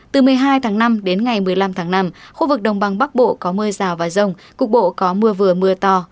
từ một mươi hai tháng năm đến ngày một mươi năm tháng năm khu vực đồng bằng bắc bộ có mưa rào và rông cục bộ có mưa vừa mưa to